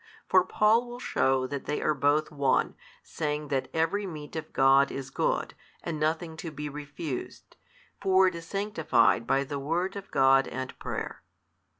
For Paul will shew that they are both one, saying that every meat 9 of God is good, and nothing to be refused: for it is sanctified by the word of God and prayer.